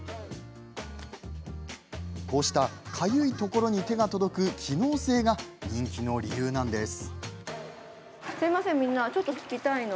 こうしたかゆいところに手が届く機能性が人気の理由なんです。